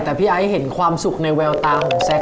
แต่พี่ไอ้เห็นความสุขในแววตาของแซค